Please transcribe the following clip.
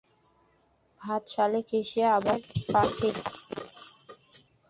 ভাত শালিক এশিয়ার আবাসিক পাখি।